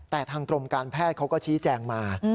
แต่ทางกรมการแพทย์เขาก็ชี้แจงมา